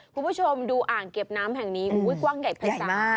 คุณผู้ชมดูอ่างเก็บน้ำแห่งนี้กว้างใหญ่ภายใต้